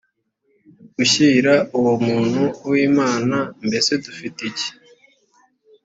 gushyira uwo muntu w imana mbese dufite iki